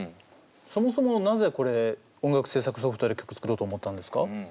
そもそもなぜこれ音楽制作ソフトで曲作ろうと思ったんですか？